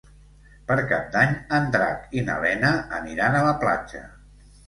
Per Cap d'Any en Drac i na Lena aniran a la platja.